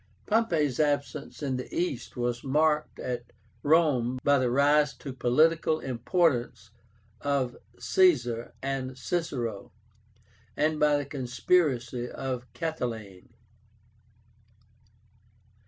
Pompey's absence in the East was marked at Rome by the rise to political importance of CAESAR and CICERO, and by the conspiracy of CATILINE.